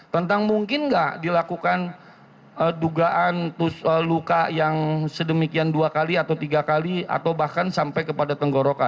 tentang mungkin nggak dilakukan dugaan luka yang sedemikian dua kali atau tiga kali atau bahkan sampai kepada tenggorokan